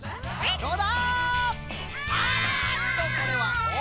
どうだ？